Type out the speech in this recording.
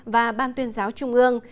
và ban tuyên giáo trung ương